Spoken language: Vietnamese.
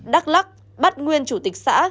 đắk lắc bắt nguyên chủ tịch xã